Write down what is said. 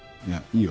いいよ。